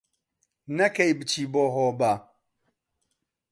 نەکەی بچی بۆ هۆبە